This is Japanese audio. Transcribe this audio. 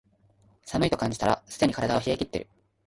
寒いと感じたらすでに体は冷えきってる